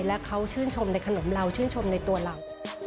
และเขาชื่นชมในขนมเราชื่นชมในตัวเรา